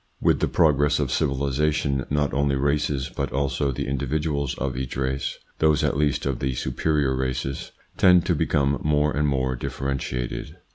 With the progress of civilisation, not only races, but also the individuals of each race those at least of the superior races tend to become more and more diffe rentiated.